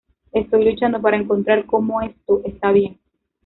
Estoy luchando para encontrar cómo esto está bien.